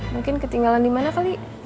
mungkin ketinggalan dimana kali